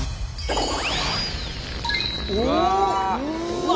うわ！